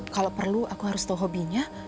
kalau perlu aku harus tahu hobinya